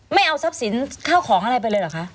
ไม่เอาทรัพย์สินข้าวของอะไรไปเลยเหรอคะ